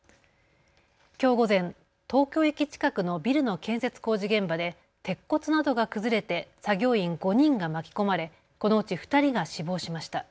きょう午前、東京駅近くのビルの建設工事現場で鉄骨などが崩れて作業員５人が巻き込まれこのうち２人が死亡しました。